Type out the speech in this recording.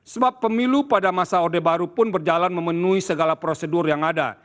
sebab pemilu pada masa orde baru pun berjalan memenuhi segala prosedur yang ada